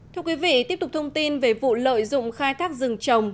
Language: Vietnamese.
thưa quý vị tiếp tục thông tin về vụ lợi dụng khai thác rừng trồng